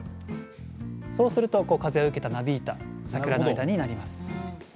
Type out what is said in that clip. そうすると、風を受けたなびいた桜の枝になります。